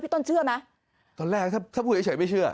ต้นเชื่อไหมตอนแรกถ้าถ้าพูดเฉยไม่เชื่อ